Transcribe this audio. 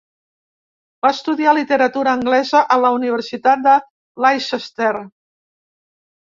Va estudiar Literatura Anglesa a la Universitat de Leicester.